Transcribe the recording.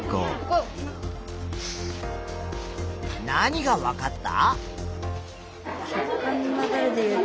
何がわかった？